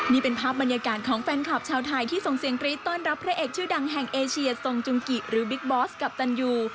นี่เป็นภาพบรรยากาศของแฟนคลับชาวไทยที่ส่งเสียงกรี๊ดต้อนรับพระเอกชื่อดังแห่งเอเชียทรงจุงกิหรือบิ๊กบอสกับตันยู